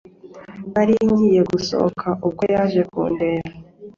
Nari ngiye gusohoka ubwo yaje kundeba